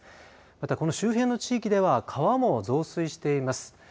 また、この周辺の地域では川も増水しています。